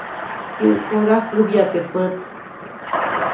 Yäʼkoda jäbya teʼ pät.